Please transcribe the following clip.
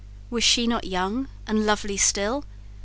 Was she not young and lovely still?